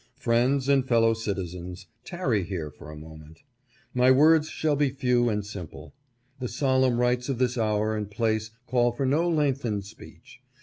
"Friends and Fellow Citizens: Tarry here for a moment. My words shall be few and simple. The solemn rites of this hour and place call for no lengthened speech.